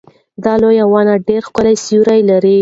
دا لویه ونه ډېر ښکلی سیوری لري.